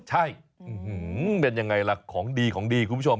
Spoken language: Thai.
ใช่เป็นยังไงล่ะของดีของดีคุณผู้ชม